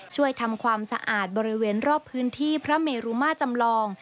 ช่วยทำความสะอาดบริเวณรอบพื้นที่พระเมรุมาจำลอง